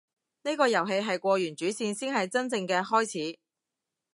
呢個遊戲係過完主線先係真正嘅開始